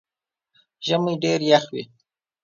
ژمئ ډېر يخ وي